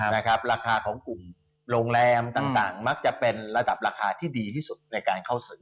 ราคาของกลุ่มโรงแรมต่างมักจะเป็นระดับราคาที่ดีที่สุดในการเข้าซื้อ